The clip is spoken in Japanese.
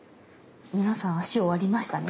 皆さん足終わりましたね。